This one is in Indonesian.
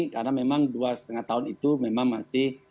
karena memang dua lima tahun itu memang masih